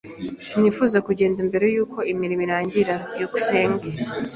Sinifuzaga kugenda mbere yuko imirimo irangira. byukusenge